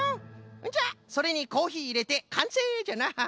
じゃあそれにコーヒーいれてかんせいじゃな！